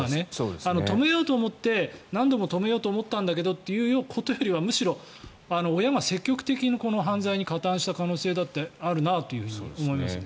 止めようと思って何度も止めようと思ったんだけどということよりはむしろ、親が積極的にこの犯罪に加担した可能性だってあるなと思いますね。